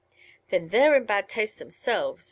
"Then they're in bad taste themselves!"